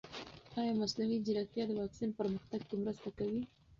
ایا مصنوعي ځیرکتیا د واکسین پرمختګ کې مرسته کوي؟